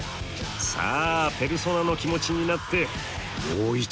さあペルソナの気持ちになってもう一度。